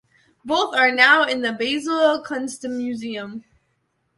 Both are now in the Basel Kunstmuseum.